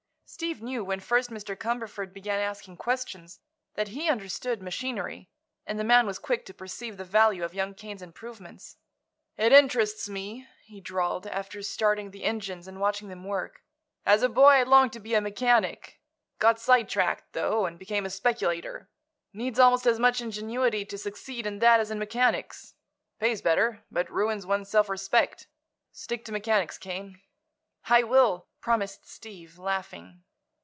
Steve knew, when first Mr. Cumberford began asking questions, that he understood machinery, and the man was quick to perceive the value of young Kane's improvements. "It interests me," he drawled, after starting the engines and watching them work. "As a boy I longed to be a mechanic. Got sidetracked, though, and became a speculator. Needs almost as much ingenuity to succeed in that as in mechanics. Pays better, but ruins one's self respect. Stick to mechanics, Kane." "I will," promised Steve, laughing.